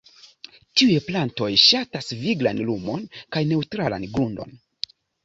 Tiuj plantoj ŝatas viglan lumon kaj neŭtralan grundon.